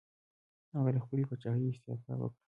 هغه له خپلې پاچاهۍ استعفا وکړه.